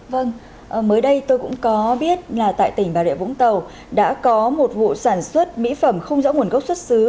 vâng mới đây tôi cũng có biết là tại tỉnh bà rịa vũng tàu đã có một vụ sản xuất mỹ phẩm không rõ nguồn gốc xuất xứ